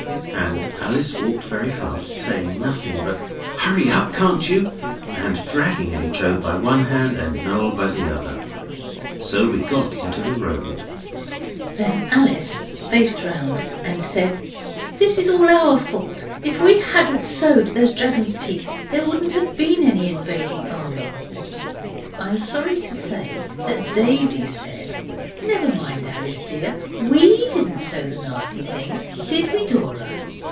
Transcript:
And Alice walked very fast, saying nothing but 'Hurry up, can't you!' and dragging H. O. by one hand and Noel by the other. So we got into the road. Then Alice faced round and said, 'This is all our fault. If we hadn't sowed those dragon's teeth there wouldn't have been any invading army.' I am sorry to say Daisy said, 'Never mind, Alice, dear. WE didn't sow the nasty things, did we, Dora?